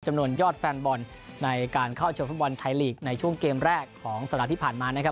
ยอดแฟนบอลในการเข้าชมฟุตบอลไทยลีกในช่วงเกมแรกของสัปดาห์ที่ผ่านมานะครับ